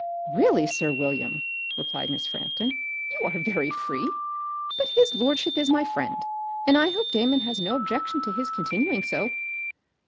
"Really sir William," replied Miss Frampton, "you are very free. But his lordship is my friend, and I hope Damon has no objection to his continuing so."